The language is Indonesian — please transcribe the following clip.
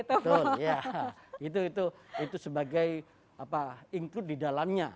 betul ya itu sebagai include di dalamnya